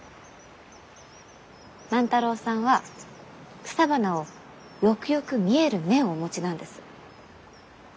万太郎さんは草花をよくよく見える目をお持ちなんです。